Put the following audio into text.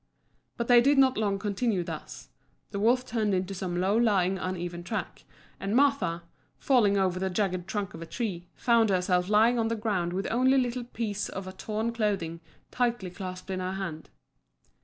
But they did not long continue thus. The wolf turned into some low lying uneven track, and Martha, falling over the jagged trunk of a tree, found herself lying on the ground with only a little piece of torn clothing tightly clasped in her hand.